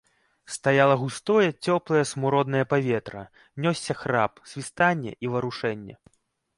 Стаяла густое цёплае смуроднае паветра, нёсся храп, свістанне і варушэнне.